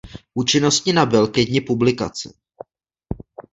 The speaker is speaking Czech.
Účinnosti nabyl ke dni publikace.